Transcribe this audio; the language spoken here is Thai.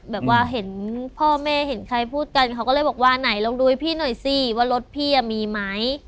แบบว่าเห็นพ่อแม่เห็นใครพูดกันเขาก็เลยบอกว่าไหนลองดูให้พี่หน่อยสิว่ารถพี่มีไหม